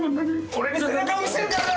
俺に背中を見せるからだ！